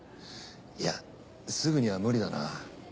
いやすぐには無理だな。